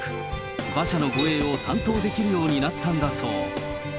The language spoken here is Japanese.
馬車の護衛を担当できるようになったんだそう。